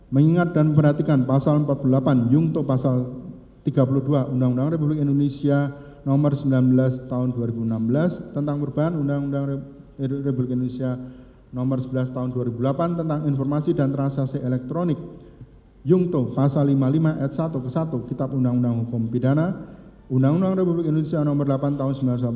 mengingat dan memperhatikan pasal empat puluh delapan yungto pasal tiga puluh dua undang undang republik indonesia nomor sembilan belas tahun dua ribu enam belas